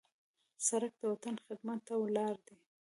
سړک د وطن خدمت ته ولاړ دی.